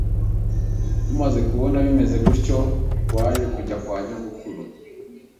Tumaze kubona bimeze bityo twaje kujya kwa nyogokuru